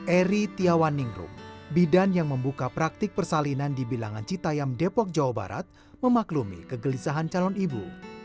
eri tiawaningrum bidan yang membuka praktik persalinan di bilangan citayam depok jawa barat memaklumi kegelisahan calon ibu